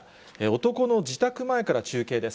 男の自宅前から中継です。